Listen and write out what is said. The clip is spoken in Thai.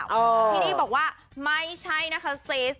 พี่นี่บอกว่าไม่ใช่นะคะซีส